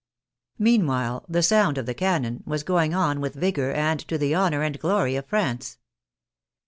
Meanwhile " the sound of the cannon " was going on with vigor and to the honor and glory of France.